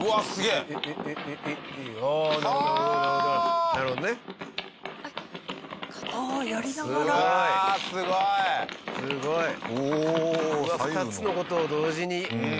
すごい。